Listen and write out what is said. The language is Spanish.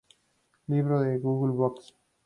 Libro en Google Books